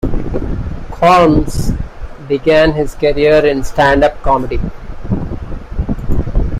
Colmes began his career in stand-up comedy.